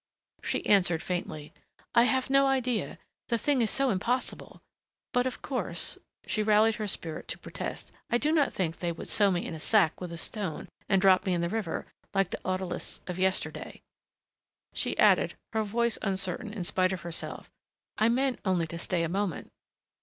She answered faintly, "I have no idea the thing is so impossible! But of course," she rallied her spirit to protest, "I do not think they would sew me in a sack with a stone and drop me in the river, like the odalisques of yesterday!" She added, her voice uncertain in spite of her, "I meant only to stay a moment."